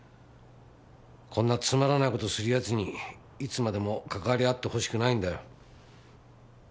こんなつまらない事する奴にいつまでも関わり合ってほしくないんだよ。